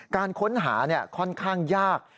การค้นหาค่อนข้างยาก